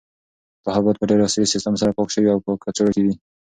دا حبوبات په ډېر عصري سیسټم سره پاک شوي او په کڅوړو کې دي.